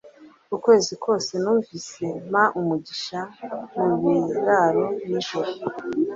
Ukwezi kwose numvise, mpa umugisha mubiraro, nijoro